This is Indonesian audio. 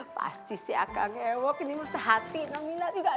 pasti si akan ngelok ini sehati namun juga